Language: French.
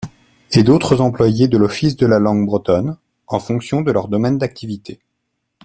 et d’autres employés de l’Office de la Langue Bretonne, en fonction de leur domaine d’activité.